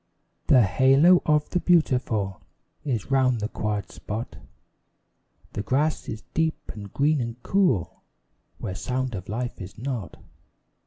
The halo of the beautiful Is round the quiet spot; The grass is deep and green and cool, Where sound of life is not.